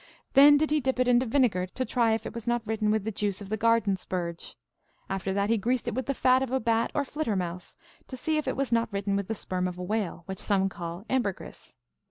Then did he dip it into vinegar, to try if it was not written with the juice of the garden spurge. After that he greased it with the fat of a bat or flittermouse, to see if it was not written with the sperm of a whale, which some call ambergris.